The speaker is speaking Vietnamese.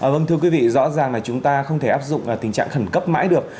vâng thưa quý vị rõ ràng là chúng ta không thể áp dụng tình trạng khẩn cấp mãi được